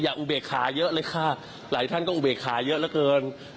อย่าอุเบคคาเยอะเลยค่ะหลายท่านก็อุเบคคาเยอะแล้วเกิน